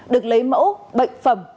được lấy mẫu bệnh phẩm